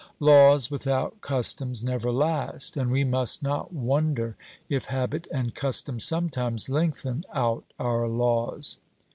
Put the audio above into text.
Laws without customs never last; and we must not wonder if habit and custom sometimes lengthen out our laws.